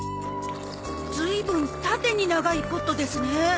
ずいぶん縦に長いポットですね。